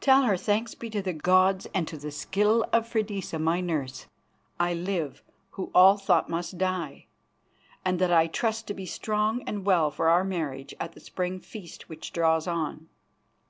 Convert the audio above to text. Tell her, thanks be to the gods and to the skill of Freydisa, my nurse, I live who all thought must die, and that I trust to be strong and well for our marriage at the Spring feast which draws on.